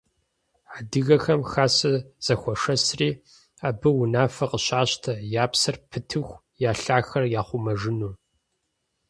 Адыгэхэм хасэ зэхуашэсри, абы унафэ къыщащтэ, я псэр пытыху я лъахэр яхъумэжыну.